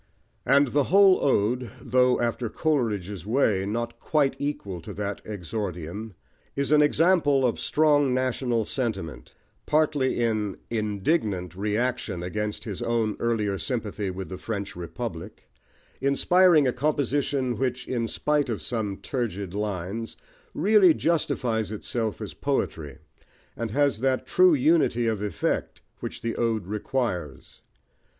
And the whole ode, though, after Coleridge's way, not quite equal to that exordium, is an example of strong national sentiment, partly in indignant reaction against his own earlier sympathy with the French Republic, inspiring a composition which, in spite of some turgid lines, really justifies itself as poetry, and has that true unity of effect which the ode requires.